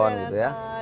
nonton gitu ya